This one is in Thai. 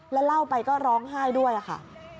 แล้วเล่าไปก็ร้องไห้ด้วยค่ะ